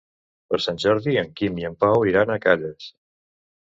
Per Sant Jordi en Quim i en Pau iran a Calles.